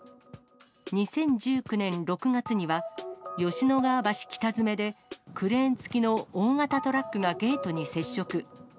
２０１９年６月には、吉野川橋北詰でクレーン付きの大型トラックがゲートに接触。